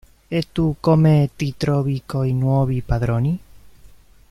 E tu come ti trovi coi nuovi padroni?